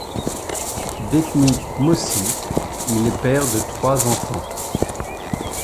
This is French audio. D'ethnie mossi, il est père de trois enfants.